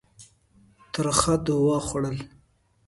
ترخه دوا خوړل.